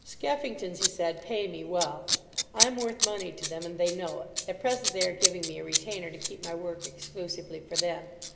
"Skeffington's," he said, "pay me well. I'm worth money to them, and they know it. At present they are giving me a retainer to keep my work exclusively for them.